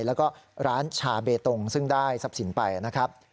แล้วก็ร้านชาเบตงซึ่งได้ทรัพย์สินไปนะครับ